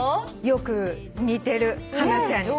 よく似てるハナちゃんに。